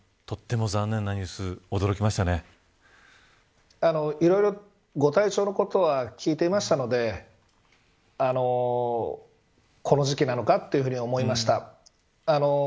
とっても残念なニュースいろいろ、ご体調のことは聞いていましたのでこの時期なのかというふうに思いました。